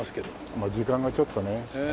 まあ時間がちょっとね早い。